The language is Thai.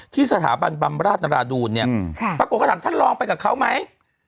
ที่สถาบันบรรมราชราดูลประกบกฐานท่านลองไปกับเขาไหม